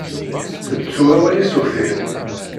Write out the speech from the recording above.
Tettu awal-is uffir.